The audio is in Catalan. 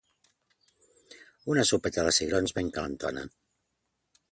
Una sopeta de cigrons ben calentona